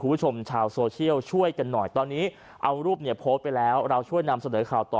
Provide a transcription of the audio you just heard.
คุณผู้ชมชาวโซเชียลช่วยกันหน่อยตอนนี้เอารูปเนี่ยโพสต์ไปแล้วเราช่วยนำเสนอข่าวต่อ